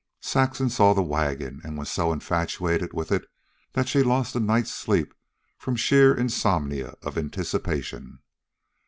Saxon saw the wagon and was so infatuated with it that she lost a night's sleep from sheer insomnia of anticipation.